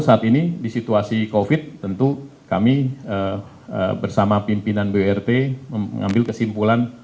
saat ini di situasi covid tentu kami bersama pimpinan burt mengambil kesimpulan